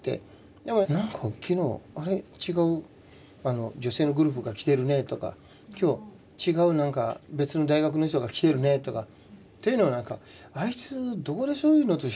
でもなんか昨日あれ違う女性のグループが来てるねとか今日違う別の大学の人が来てるねとかというのをなんかあいつどこでそういうのと知り合ってるんやろなって。